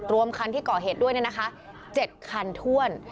รวมคันที่ก่อเหตุด้วย๗คันถ้วน